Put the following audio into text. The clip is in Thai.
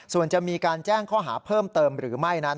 ส่วนจะมีการแจ้งข้อหาเพิ่มเติมหรือไม่นั้น